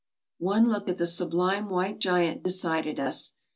One look at the sublime white giant decided us.